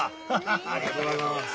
ありがとうございます。